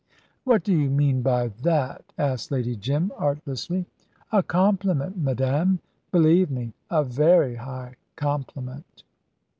"What do you mean by that?" asked Lady Jim, artlessly. "A compliment, madame believe me, a very high compliment."